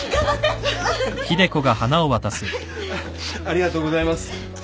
ありがとうございます。